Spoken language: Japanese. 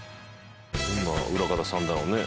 どんな裏方さんだろうね。